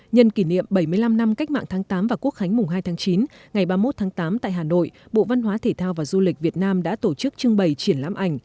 nhân kỷ niệm bảy mươi năm năm cách mạng tháng tám và quốc khánh mùng hai tháng chín ngày ba mươi một tháng tám tại hà nội bộ văn hóa thể thao và du lịch việt nam đã tổ chức trưng bày triển lãm ảnh